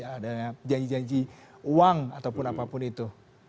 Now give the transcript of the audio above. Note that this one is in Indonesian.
ada janji janji uang ataupun apapun itu